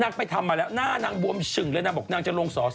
ไปทำมาแล้วหน้านางบวมฉึ่งเลยนางบอกนางจะลงสอสอ